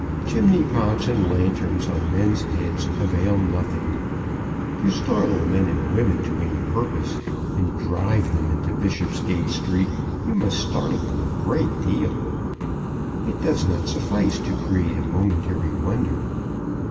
Chimney pots and lanterns on men's heads avail nothing. To startle men and women to any purpose, and drive them into Bishopsgate Street, you must startle them a great deal. It does not suffice to create a momentary wonder.